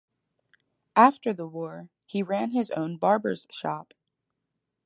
After the war, he ran his own barber's shop.